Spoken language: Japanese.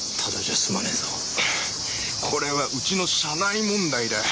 これはうちの社内問題だ。